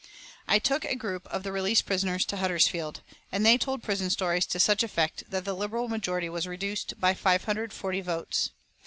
I took a group of the released prisoners to Huddersfield, and they told prison stories to such effect that the Liberal majority was reduced by 540 votes.